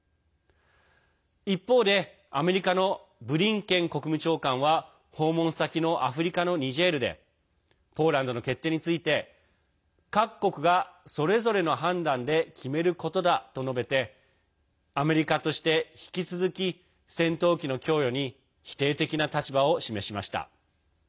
一方で、アメリカのブリンケン国務長官は訪問先のアフリカのニジェールでポーランドの決定について各国が、それぞれの判断で決めることだと述べてアメリカとして、引き続き戦闘機の供与に否定的な立場を示しました。